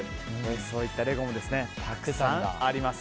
そういったレゴもたくさんあります。